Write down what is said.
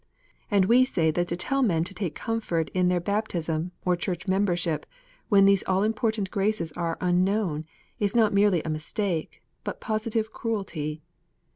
And we say that to tell men to take comfort in their baptism or Church membership, when these all important graces are unknown, is not merely a mistake, but positive cruelty.